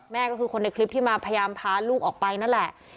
แม่ก็คือคนในคลิปที่มาพยายามพาลูกออกไปนั่นแหละ